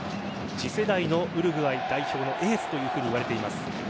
次世代のウルグアイ代表のエースといわれています。